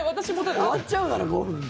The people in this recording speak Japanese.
終わっちゃうだろ５分で。